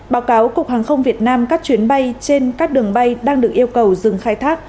báo cáo cục hàng không việt nam các chuyến bay trên các đường bay đang được yêu cầu dừng khai thác